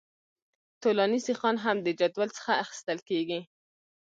طولاني سیخان هم د جدول څخه اخیستل کیږي